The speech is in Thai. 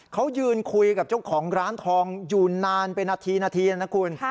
เขายืนคุยกับเจ้าของร้านทองอยู่นานเป็นนาทีนาทีนะคุณ